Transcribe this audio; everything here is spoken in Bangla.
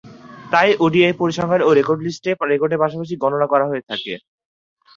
তাই, ওডিআই পরিসংখ্যান ও রেকর্ড লিস্ট-এ রেকর্ডের পাশাপাশি গণনা করা হয়ে থাকে।